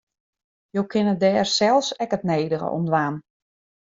Jo kinne dêr sels ek it nedige oan dwaan.